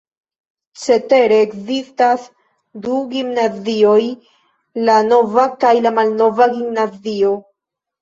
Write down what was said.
Cetere ekzistas du gimnazioj: La nova kaj la malnova gimnazio.